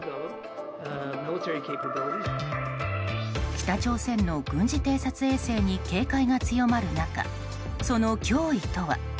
北朝鮮の軍事偵察衛星に警戒が強まる中、その脅威とは？